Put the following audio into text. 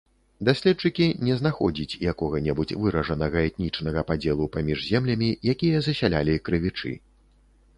Даследчыкі не знаходзіць якога-небудзь выражанага этнічнага падзелу паміж землямі, якія засялялі крывічы.